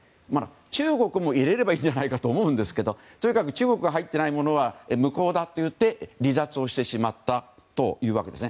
中国も入れればいいじゃないかと思いますが中国が入っていないものは無効だと言って離脱をしてしまったというわけです。